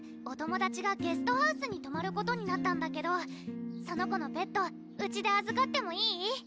お友達がゲストハウスにとまることになったんだけどその子のペットうちであずかってもいい？